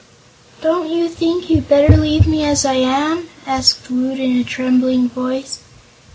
"Don't you think you'd better leave me as I am?" asked Woot in a trembling voice.